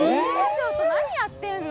ちょっと何やってんの？